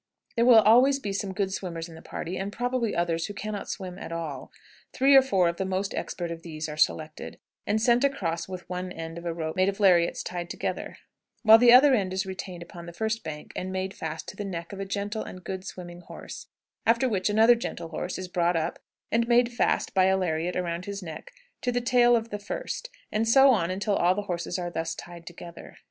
There will always be some good swimmers in the party, and probably others who can not swim at all. Three or four of the most expert of these are selected, and sent across with one end of a rope made of lariats tied together, while the other end is retained upon the first bank, and made fast to the neck of a gentle and good swimming horse; after which another gentle horse is brought up and made fast by a lariat around his neck to the tail of the first, and so on until all the horses are thus tied together.